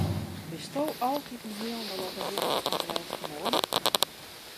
Bisto altiten hielendal op 'e hichte fan de lêste moade?